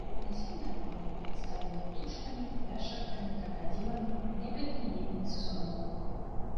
Наземная фаўна прадстаўлена птушкамі, яшчаркамі, кракадзіламі, некалькімі відамі сысуноў.